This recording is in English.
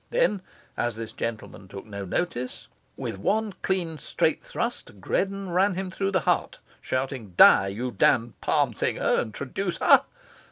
Then, as this gentleman took no notice, with one clean straight thrust Greddon ran him through the heart, shouting "Die, you damned psalm singer and traducer!